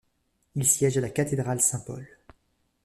Il siège à la cathédrale Saint-Paul.